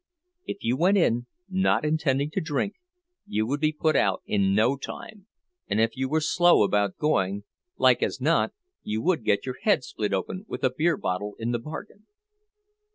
If you went in not intending to drink, you would be put out in no time, and if you were slow about going, like as not you would get your head split open with a beer bottle in the bargain.